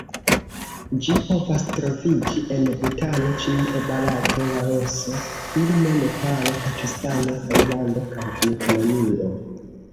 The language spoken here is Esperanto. Ĝi povas troviĝi en Butano, Ĉinio, Barato, Laoso, Birmo, Nepalo, Pakistano, Tajlando kaj Vjetnamio.